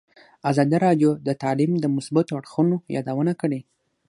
ازادي راډیو د تعلیم د مثبتو اړخونو یادونه کړې.